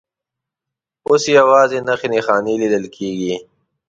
اوس یې یوازې نښې نښانې لیدل کېږي.